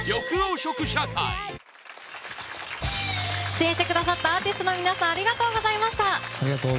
出演してくださったアーティストの皆さんありがとうございました。